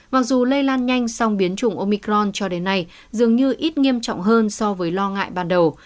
mặc dù lây lan nhanh song biến chủng omicron cho đến nay dường như ít nghiêm trọng hơn so với lo ngại ban đầu